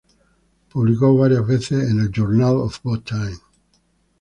Publicó varias veces en el "Journal of Botany".